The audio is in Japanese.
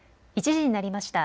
１時になりました。